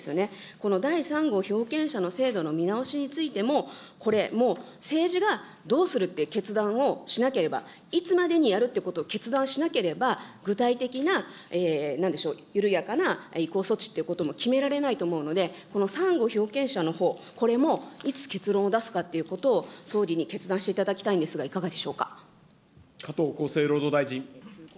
この第３号被保険者の制度の見直しについても、これ、もう政治がどうするっていう決断をしなければいつまでにやるってことを決断しなければ、具体的ななんでしょう、緩やかな移行措置ということも決められないと思うので、この３号被保険者のほう、これもいつ結論を出すかということを総理に決断していただきたいんですが、いかがでしょうか。